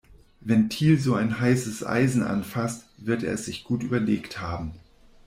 Wenn Thiel so ein heißes Eisen anfasst, wird er es sich gut überlegt haben.